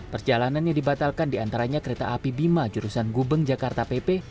perjalanannya dibatalkan di antaranya kereta api bima jurusan gubeng jakarta pp